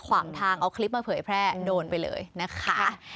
ขวางทางเอาคลิปมาเผยแพร่โดนไปเลยนะคะ